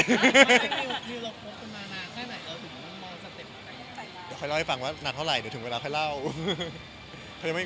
เดี๋ยวค่อยเล่าให้ฟังว่านานเท่าไหร่เดี๋ยวถึงเวลาค่อยเล่า